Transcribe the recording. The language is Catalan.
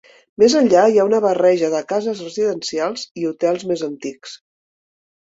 Més enllà hi ha una barreja de cases residencials i hotels més antics.